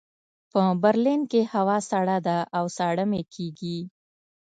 په برلین کې هوا سړه ده او ساړه مې کېږي